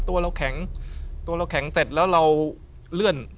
ตัวเราแข็งเสร็จแล้วเราเลื่อน